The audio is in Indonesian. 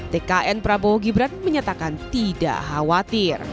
tkn prabowo gibran menyatakan tidak khawatir